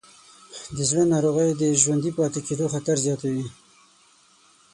د زړه ناروغۍ د ژوندي پاتې کېدو خطر زیاتوې.